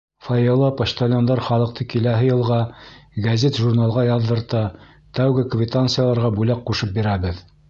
Фойела почтальондар халыҡты киләһе йылға гәзит-журналға яҙҙырта, тәүге квитанцияларға бүләк ҡушып бирәбеҙ.